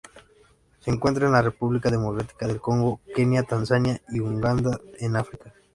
Se encuentra en la República Democrática del Congo, Kenia, Tanzania y Uganda en África.